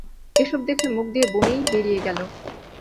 এসব দেখে মুখ দিয়ে বমি বেরিয়ে গেলো।